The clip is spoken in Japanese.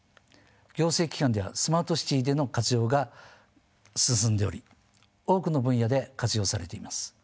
行政機関ではスマートシティでの活用が進んでおり多くの分野で活用されています。